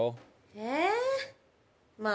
えまあ